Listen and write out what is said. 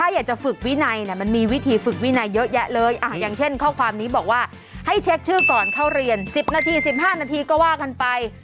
ยังเช่นข้อความนี้บอกว่าให้เช็คชื่อก่อนเข้าเรียน๑๐นาที๑๕นาทีก็ว่ากันไป